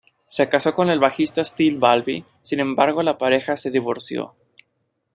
Se casó con el bajista Steve Balbi, sin embargo la pareja se divorció.